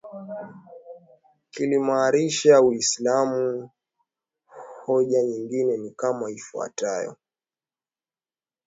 kiliimarisha uislamu hoja nyingine ni kama ifuatavyo